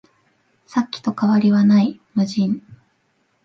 さっきと変わりはない、無人